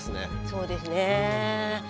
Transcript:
そうですね。